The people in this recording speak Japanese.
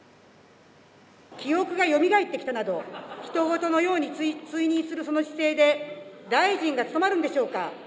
記憶がよみがえってきたなど、ひと事のように追認するその姿勢で、大臣が務まるんでしょうか。